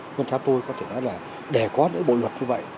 vâng thưa tôi có thể nói là để có những bộ luật như vậy